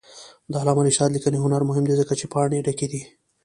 د علامه رشاد لیکنی هنر مهم دی ځکه چې پاڼې ډکې دي.